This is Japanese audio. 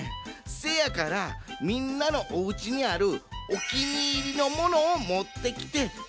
せやからみんなのおうちにあるおきにいりのものをもってきてみせてほしいねん。